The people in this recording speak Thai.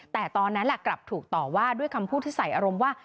แต่ตอนนั้นกลับถูกต่อว่าด้วยคำพูดที่ใส่อารมณ์ว่า